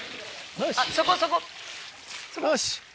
よし！